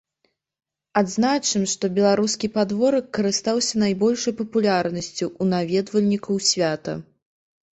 Адзначым, што беларускі падворак карыстаўся найбольшай папулярнасцю ў наведвальнікаў свята.